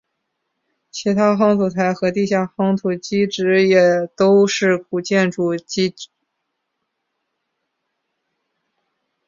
其他夯土台和地下夯土基址也都是古建筑基址。